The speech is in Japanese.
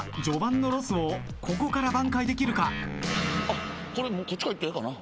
序盤のロスをここから挽回できるか？